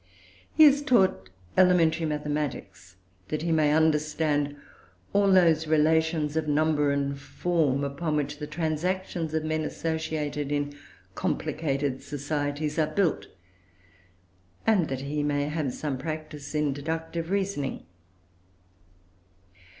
He is taught elementary mathematics, that he may understand all those relations of number and form, upon which the transactions of men, associated in complicated societies, are built, and that he may have some practice in deductive reasoning.